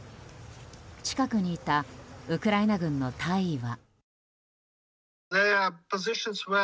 近くにいたウクライナ軍の大尉は。